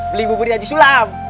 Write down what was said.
beli bubur gaji sulam